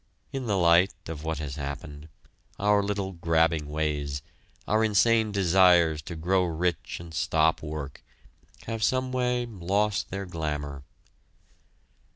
In the light of what has happened, our little grabbing ways, our insane desires to grow rich and stop work, have some way lost their glamour.